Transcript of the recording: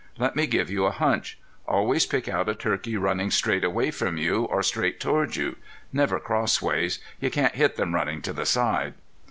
Let me give you a hunch. Always pick out a turkey running straight away from you or straight toward you. Never crossways. You can't hit them running to the side."